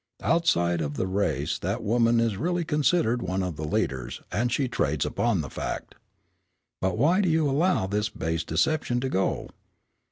Outside of the race that woman is really considered one of the leaders, and she trades upon the fact." "But why do you allow this base deception to go?"